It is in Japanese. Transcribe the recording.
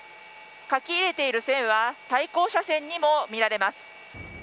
書き入れている線は対向車線にも見られます。